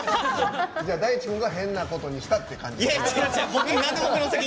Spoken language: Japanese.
太智君が変なことにしたって感じなんや。